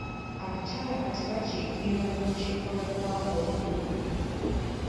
Abakyala kati bakiikirirwa mu lukiiko lw'eggwanga olukulu.